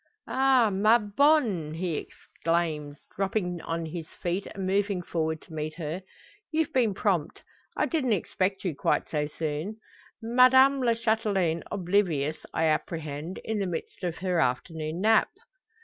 "Ah! ma bonne!" he exclaims, dropping on his feet, and moving forward to meet her. "You've been prompt! I didn't expect you quite so soon. Madame la Chatelaine oblivious, I apprehend; in the midst of her afternoon nap?"